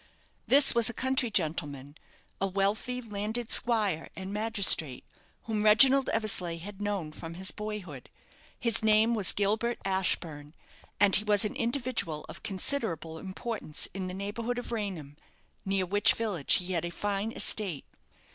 This was a country gentleman a wealthy landed squire and magistrate whom Reginald Eversleigh had known from his boyhood. His name was Gilbert Ashburne; and he was an individual of considerable importance in the neighbourhood of Raynham, near which village he had a fine estate.